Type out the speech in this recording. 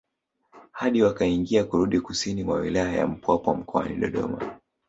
Hadi wakaingia kurudi kusini mwa wilaya ya Mpwapwa mkoani Dodoma